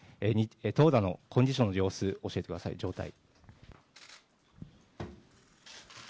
投打のコンディションの様子、教えてください、状態。